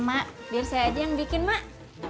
mak biar saya aja yang bikin mak